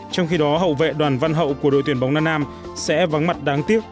trong khi đó hậu vệ đoàn văn hậu của đội tuyển bóng nam nam sẽ vắng mặt đáng tiếc